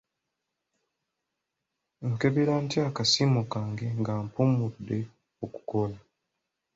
Nkebera ntya akasiimo kange nga mpummudde okukola?